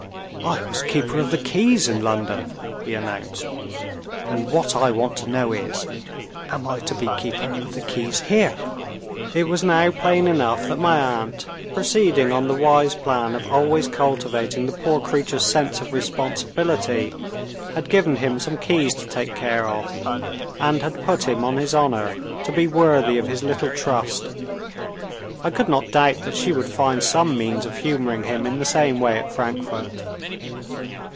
"I was Keeper of the Keys in London!" he announced. "And what I want to know is Am I to be Keeper of the Keys here?" It was now plain enough that my aunt proceeding on the wise plan of always cultivating the poor creature's sense of responsibility had given him some keys to take care of, and had put him on his honor to be worthy of his little trust. I could not doubt that she would find some means of humoring him in the same way at Frankfort.